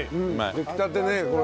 出来たてねこれ。